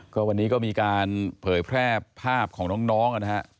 ก็วันนี้ก็มีการเผยแพร่ภาพของน้องนะฮะ